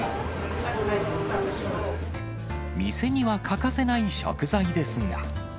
店には欠かせない食材ですが。